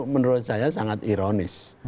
menurut saya sangat ironis